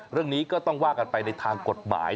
เรื่องนี้ก็ต้องว่ากันไปในทางกฎหมาย